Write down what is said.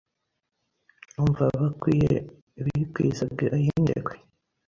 Umva Bakwiye bikwizaga ay'indekwe